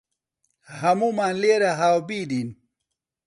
هەموومان لێرە هاوبیرین.